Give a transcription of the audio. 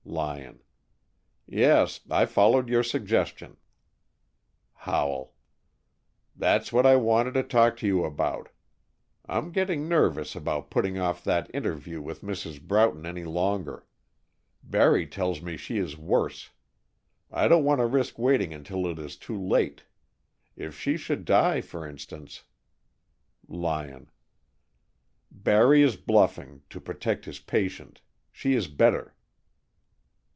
Lyon: "Yes. I followed your suggestion." Howell: "That's what I wanted to talk to you about. I'm getting nervous about putting off that interview with Mrs. Broughton any longer. Barry tells me she is worse. I don't want to risk waiting until it is too late. If she should die, for instance, " Lyon: "Barry is bluffing, to protect his patient. She is better."